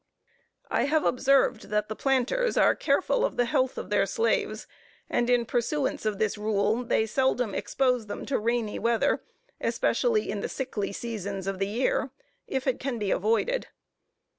I have observed, that the planters are careful of the health of their slaves, and in pursuance of this rule, they seldom expose them to rainy weather, especially in the sickly seasons of the year, if it can be avoided.